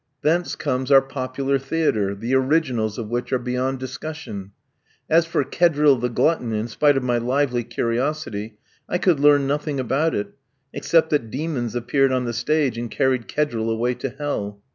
Thence comes our popular theatre, the originals of which are beyond discussion. As for Kedril, the Glutton, in spite of my lively curiosity, I could learn nothing about it, except that demons appeared on the stage and carried Kedril away to hell.